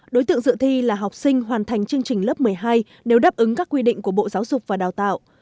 đối tượng dự thi là học sinh hoàn thành chương trình lớp một mươi hai nếu đáp ứng các quy định của bộ giáo dục và đào tạo